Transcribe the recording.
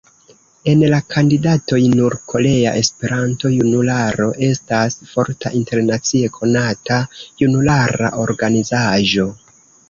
El la kandidatoj nur Korea Esperanto-Junularo estas forta, internacie konata junulara organizaĵo.